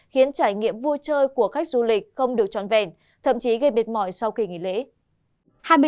khiến trải nghiệm vui chơi của khách du lịch không được trọn vẹn thậm chí gây mệt mỏi sau kỳ nghỉ lễ